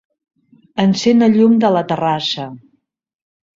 Encén el llum de la terrassa.